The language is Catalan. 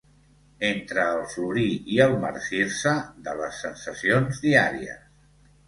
Entre el florir i el marcir-se de les sensacions diàries...